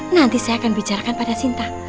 nanti saya akan bicarakan pada sinta